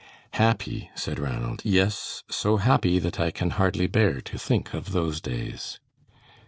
"Happy," said Ranald, "yes, so happy that I can hardly bear to think of those days."